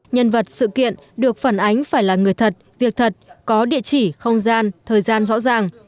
nhân vật sự kiện được phản ánh phải là người thật việc thật có địa chỉ không gian thời gian rõ ràng